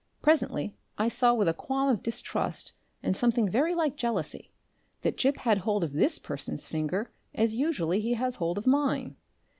Presently I saw with a qualm of distrust and something very like jealousy that Gip had hold of this person's finger as usually he has hold of mine.